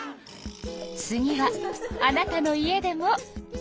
次はあなたの家でも「カテイカ」。